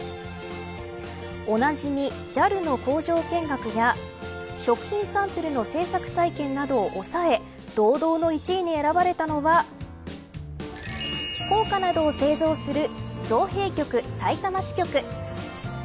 おなじみＪＡＬの工場見学や食品サンプルの制作体験などを抑え堂々の１位に選ばれたのは硬貨などを製造する造幣局さいたま市局。